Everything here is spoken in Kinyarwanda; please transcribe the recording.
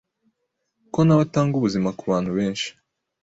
kuko na we atanga ubuzima ku bantu benshi